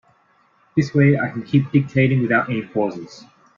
This way I can keep dictating without any pauses.